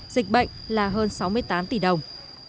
dịch bệnh là hơn sáu mươi tám tỷ đồng